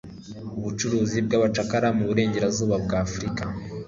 ubucuruzi bw'abacakara mu Burengerazuba bw'Afurika.